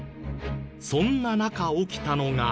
そんな中起きたのが。